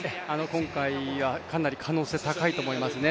今回はかなり可能性が高いと思いますね。